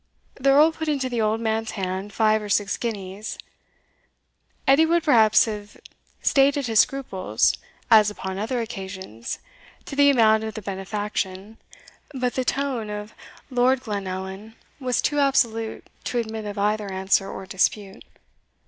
The Earl put into the old man's hand five or six guineas. Edie would perhaps have stated his scruples, as upon other occasions, to the amount of the benefaction, but the tone of Lord Glenallan was too absolute to admit of either answer or dispute.